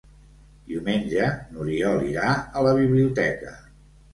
Diumenge n'Oriol irà a la biblioteca.